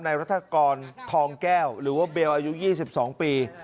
รัฐกรทองแก้วหรือว่าเบลอายุ๒๒ปี